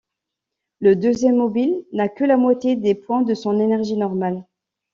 Le deuxième mobile n’a que la moitié des points de son énergie normale.